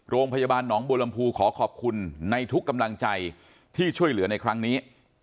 โรงพยาบาลหนองบัวลำพูขอขอบคุณในทุกกำลังใจที่ช่วยเหลือในครั้งนี้